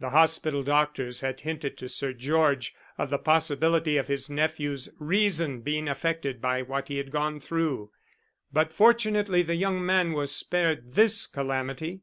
The hospital doctors had hinted to Sir George of the possibility of his nephew's reason being affected by what he had gone through, but fortunately the young man was spared this calamity.